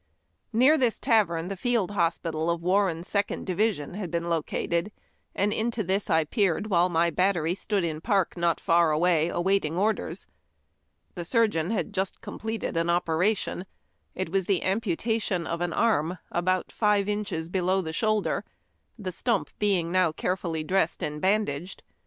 Near this tavern the field hospi tal of Warren's Second Division had been located, and into this I peered while my battery stood in park not far away, awaiting orders. The surgeon had just completed an oper ation. It was the amputation of an arm about five inches below the shoulder, the stump being now carefully dressed and bandaged.